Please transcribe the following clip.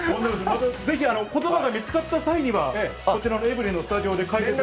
ぜひ、ことばが見つかった際には、こちらのエブリィのスタジオで解いいですか？